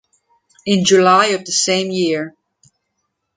In July of the same year.